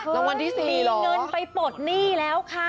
รางวัลที่๔เหรอเงินไปปลดหนี้แล้วค่ะ